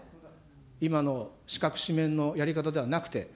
今の四角四面のやり方ではなくて。